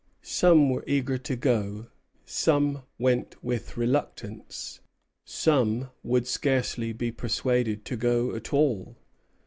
Some were eager to go; some went with reluctance; some would scarcely be persuaded to go at all.